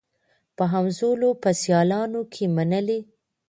په همزولو په سیالانو کي منلې